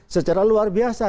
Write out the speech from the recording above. secara luar biasa